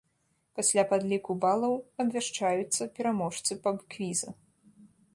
Пасля падліку балаў абвяшчаюцца пераможцы паб-квіза.